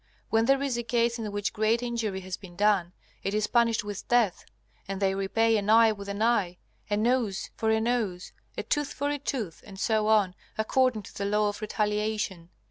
When there is a case in which great injury has been done, it is punished with death, and they repay an eye with an eye, a nose for a nose, a tooth for a tooth, and so on, according to the law of retaliation.